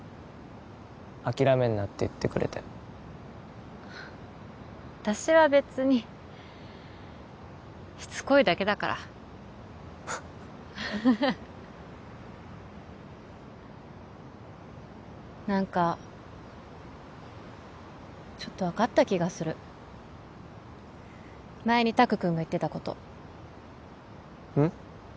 諦めんなって言ってくれて私は別にしつこいだけだからフッハハハハ何かちょっと分かった気がする前に拓くんが言ってたことうん？